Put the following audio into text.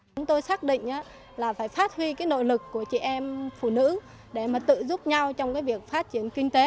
chúng tôi xác định là phải phát huy cái nội lực của chị em phụ nữ để mà tự giúp nhau trong cái việc phát triển kinh tế